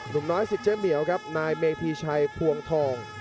หนุ่มน้อยสิทธิเจ๊เหมียวครับนายเมธีชัยพวงทอง